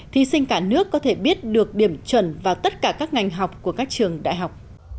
thí sinh cả nước có thể biết được điểm chuẩn vào tất cả các ngành học của các trường đại học